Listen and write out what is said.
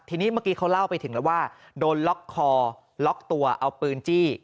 ทีนี้เมื่อกี้เขาเล่าไปถึงแล้วว่าโดนล็อกคอล็อกตัวเอาปืนจี้